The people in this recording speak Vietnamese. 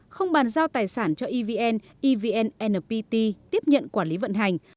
không bàn giao tài sản cho evn evn npt tiếp nhận quản lý vận hành